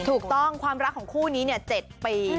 ถูกต้องความรักของคู่นี้๗ปี